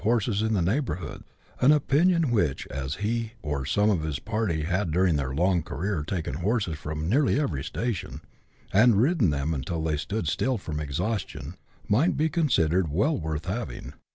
141 horses in the neig hbourhood, an opinion which, as he or some of his party had during their long career taken horses from nearly every station, and ridden them until they stood still from exhaustion, might be considered well worth having.